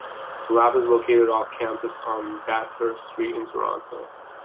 The lab is located off-campus, on Bathurst Street in Toronto.